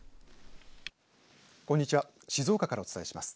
こんにちは静岡からお伝えします。